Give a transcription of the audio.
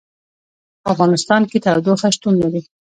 په افغانستان کې تودوخه شتون لري.